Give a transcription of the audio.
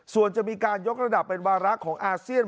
ส่วนจะมีการยกระดับเป็นวาระของอาเซียน